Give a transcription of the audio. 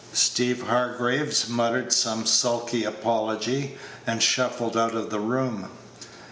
Steeve Hargraves muttered some sulky apology, and shuffled out of the room.